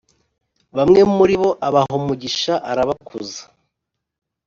bamwe muri bo, abaha umugisha, arabakuza,